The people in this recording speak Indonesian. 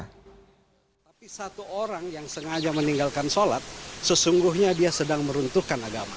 tapi satu orang yang sengaja meninggalkan sholat sesungguhnya dia sedang meruntuhkan agama